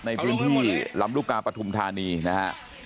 ในพื้นที่ลำลูกกาปฐุมธานีนะฮะ